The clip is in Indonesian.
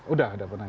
udah udah pernah coba